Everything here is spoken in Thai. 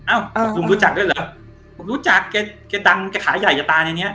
อ้าวลุงรู้จักด้วยเหรอรู้จักแกดังแกขายใหญ่จากตาในนี้